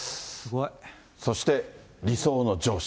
そして理想の上司。